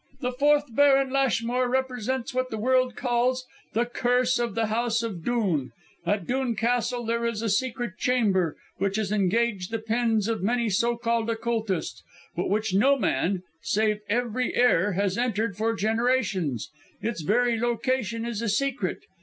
The fourth Baron Lashmore represents what the world calls 'The Curse of the House of Dhoon.' At Dhoon Castle there is a secret chamber, which has engaged the pens of many so called occultists, but which no man, save every heir, has entered for generations. It's very location is a secret.